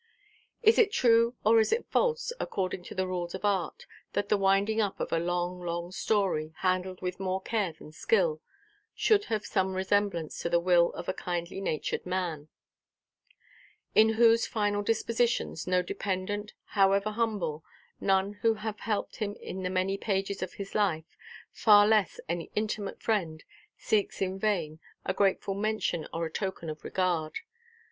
Is it true or is it false, according to the rules of art, that the winding–up of a long, long story, handled with more care than skill, should have some resemblance to the will of a kindly–natured man? In whose final dispositions, no dependent, however humble, none who have helped him in the many pages of his life, far less any intimate friend, seeks in vain a grateful mention or a token of regard.